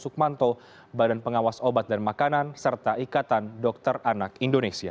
sukmanto badan pengawas obat dan makanan serta ikatan dokter anak indonesia